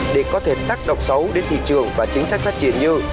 để có thể tác động xấu đến thị trường và chính sách phát triển như